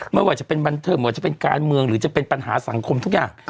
ไม่ว่าจะเป็นบันเทิงว่าจะเป็นการเมืองหรือจะเป็นปัญหาสังคมทุกอย่าง